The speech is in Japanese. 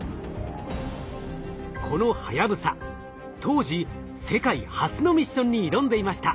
このはやぶさ当時世界初のミッションに挑んでいました。